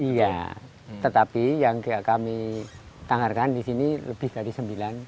iya tetapi yang kami tangarkan di sini lebih dari sembilan